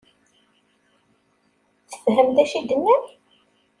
Tefhem d acu i d-nnan?